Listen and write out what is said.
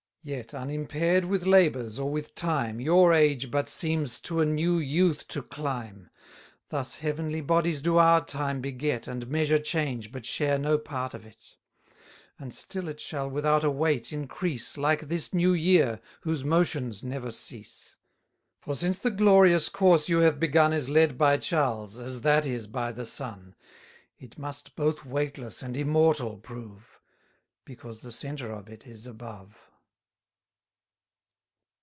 Yet, unimpair'd with labours, or with time, Your age but seems to a new youth to climb. Thus heavenly bodies do our time beget, And measure change, but share no part of it. 150 And still it shall without a weight increase, Like this new year, whose motions never cease. For since the glorious course you have begun Is led by Charles, as that is by the sun, It must both weightless and immortal prove, Because the centre of it is above.